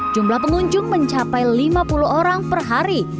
jumlah pengunjung mencapai lima puluh orang per hari